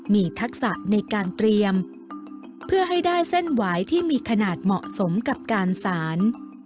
มีทักษะในการเตรียมเพื่อให้ได้เส้นหวายที่มีขนาดเหมาะสมกับการสาร